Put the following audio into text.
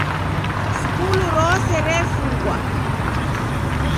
Skulu rose refungwa.